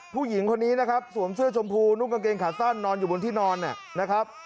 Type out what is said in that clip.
ผู้หญิงคนนี้นะครับสวมเสื้อชมพูนุ่งกางเกงขาสั้นนอนอยู่บนที่นอนนะครับ